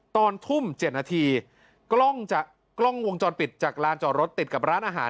ตอนทุ่ม๗นาทีกล้องวงจรปิดจากลานจอดรถติดกับร้านอาหาร